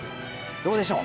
どうでしょう。